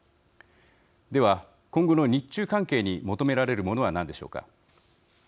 では、今後の日中関係に求められるものは何でしょうか。